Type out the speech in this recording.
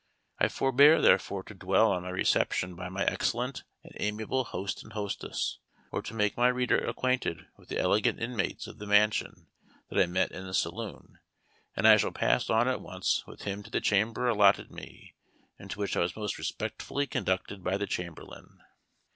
I forbear, therefore, to dwell on my reception by my excellent and amiable host and hostess, or to make my reader acquainted with the elegant inmates of the mansion that I met in the saloon; and I shall pass on at once with him to the chamber allotted me, and to which I was most respectfully conducted by the chamberlain.